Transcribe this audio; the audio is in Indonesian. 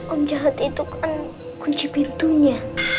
om jahat itu kan kunci pintunya